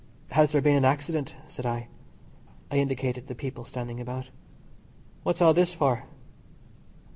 "Has there been an accident?" said I. I indicated the people standing about. "What's all this for?"